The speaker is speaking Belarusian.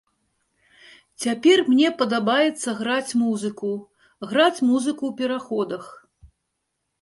Цяпер мне падабаецца граць музыку, граць музыку ў пераходах.